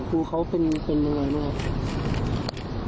ครูเขาเป็นอย่างไรบ้าง